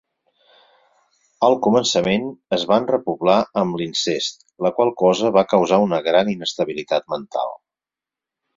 Al començament es van repoblar amb l'incest, la qual cosa va causar una gran inestabilitat mental.